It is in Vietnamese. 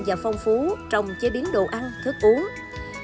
và phong phú trong chế biến đồ ăn thức uống